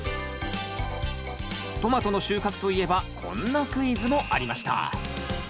トマトの収穫といえばこんなクイズもありました